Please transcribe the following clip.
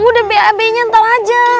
udah bab nya ntar aja